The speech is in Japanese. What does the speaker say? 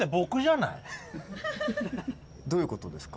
どういうことですか？